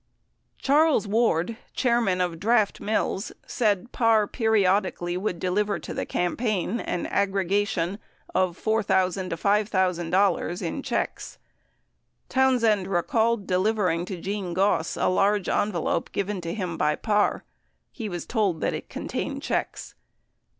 74 Charles Ward, chairman of Draft Mills, said Parr periodically would deliver to the campaign an aggregation of $4,000 to $5,000 in checks. Townsend recalled delivering to Gene Goss a large envelope given to him by Parr. He was told that it contained checks.